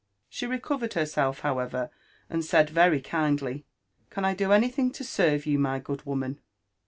She recovered herself, however, and said very kindly, " Can I do anything to serve you, my good woman